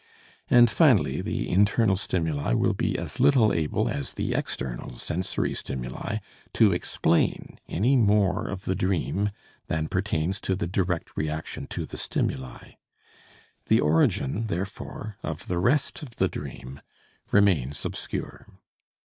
And finally, the internal stimuli will be as little able as the external sensory stimuli to explain any more of the dream than pertains to the direct reaction to the stimuli. The origin, therefore, of the rest of the dream remains obscure.